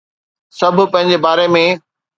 سڀ پنهنجي باري ۾